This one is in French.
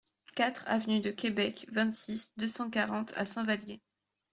quatre avenue de Quebec, vingt-six, deux cent quarante à Saint-Vallier